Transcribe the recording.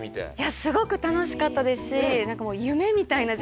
すごく楽しかったですし。